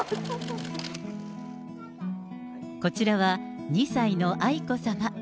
こちらは２歳の愛子さま。